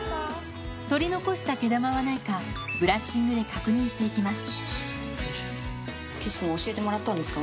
取り残した毛玉はないかブラッシングで確認していきます